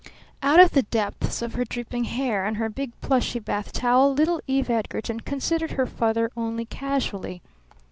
Out of the depths of her dripping hair and her big plushy bath towel little Eve Edgarton considered her father only casually.